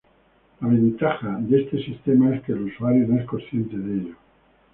La ventaja de este sistema es que el usuario no es consciente de ello.